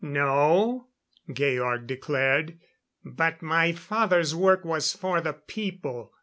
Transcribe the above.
"No," Georg declared. "But my father's work was for the people.